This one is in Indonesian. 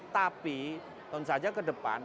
tapi tentu saja ke depan